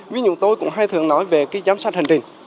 ví dụ tôi cũng hay thường nói về cái giám sát hành trình